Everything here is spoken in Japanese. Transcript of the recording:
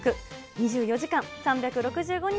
２４時間３６５日